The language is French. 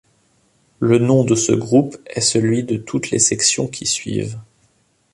Le nom de ce groupe est celui de toutes les sections qui suivent.